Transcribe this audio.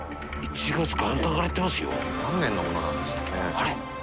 あれ？